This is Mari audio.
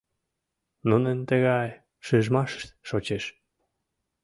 Нунын тыгай шижмашышт шочеш».